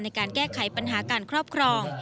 ในการแก้ไขปัญหาการครอบครอง